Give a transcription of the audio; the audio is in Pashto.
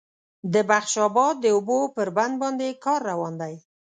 د بخش آباد د اوبو پر بند باندې کار روان دی